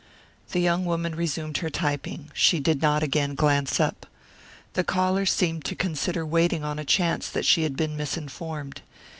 The young woman resumed her typing; she did not again, glance up. The caller seemed to consider waiting on a chance that she had been misinformed.